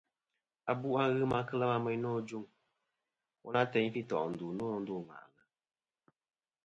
Abu' a ghɨ ma kɨ lema meyn nô ajuŋ, woyn a ateyn fi tò' ndu nô ŋwà'lɨ.